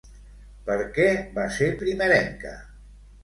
Per què va ser primerenca?